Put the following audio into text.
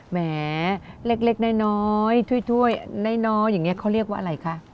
แหมเล็กน้อยถ้วยน้อยอย่างนี้เขาเรียกว่าอะไรคะ